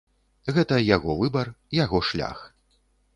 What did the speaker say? Гэта яго выбар, яго шлях.